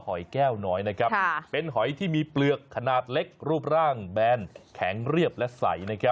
หอยแก้วน้อยเป็นหอยที่มีเปลือกขนาดเล็กรูปร่างแบนแข็งเรียบและใส